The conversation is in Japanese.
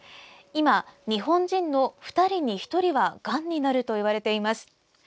今、日本人の２人に１人はがんになるといわれています。